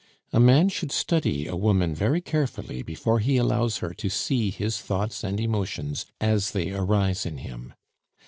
A man should study a woman very carefully before he allows her to see his thoughts and emotions as they arise in him.